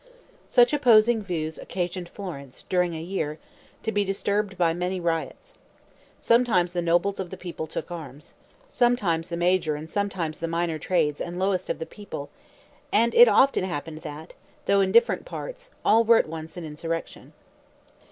Such opposing views occasioned Florence, during a year, to be disturbed by many riots. Sometimes the nobles of the people took arms; sometimes the major and sometimes the minor trades and the lowest of the people; and it often happened that, though in different parts, all were at once in insurrection.